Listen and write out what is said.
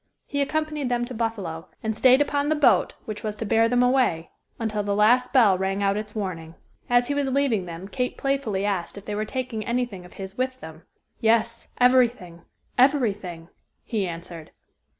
He accompanied them to Buffalo, and stayed upon the boat which was to bear them away until the last bell rang out its warning. As he was leaving them Kate playfully asked if they were taking anything of his with them. "Yes, everything, everything," he answered.